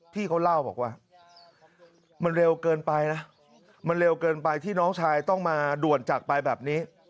พี่เขาเล่าบอกว่ามันเร็วเกินไปนะมันเร็วเกินไปที่น้องชายต้องมาด่วนจากไปแบบนี้